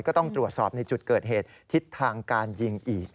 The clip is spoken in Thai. ก็ต้องตรวจสอบในจุดเกิดเหตุทิศทางการยิงอีก